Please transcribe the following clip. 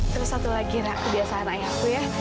terus satu lagi kebiasaan ayahku ya